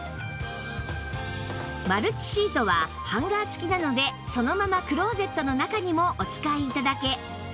マルチシートはハンガー付きなのでそのままクローゼットの中にもお使い頂け